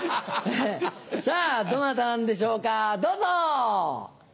さぁどなたなんでしょうかどうぞ！